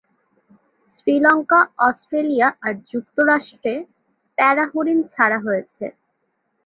Sri Lanka, Australia আর যুক্তরাষ্ট্রে প্যারা হরিণ ছাড়া হয়েছে।